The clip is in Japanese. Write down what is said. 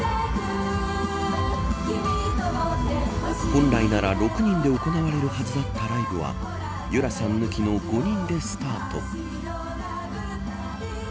本来なら６人で行われるはずだったライブは由良さん抜きの５人でスタート。